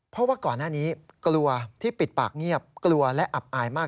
เพราะว่าก่อนหน้านี้กลัวที่ปิดปากเงียบกลัวและอับอายมาก